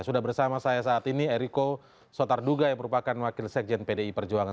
sudah bersama saya saat ini eriko sotarduga yang merupakan wakil sekjen pdi perjuangan